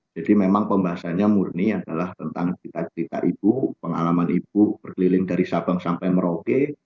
jadi memang pembahasannya murni adalah tentang cerita cerita ibu pengalaman ibu berkeliling dari sabang sampai merauke